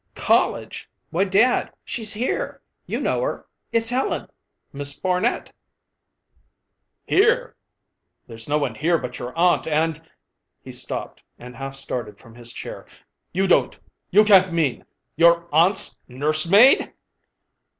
"College! Why, dad, she's here. You know her. It's Helen, Miss Barnet." "Here! There's no one here but your aunt and " He stopped, and half started from his chair. "You don't you can't mean your aunt's nursemaid!"